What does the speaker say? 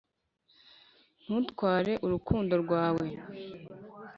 ntuntware urukundo rwawe